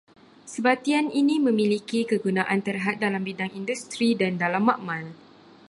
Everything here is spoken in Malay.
Sebatian ini memiliki kegunaan terhad dalam bidang industri dan dalam makmal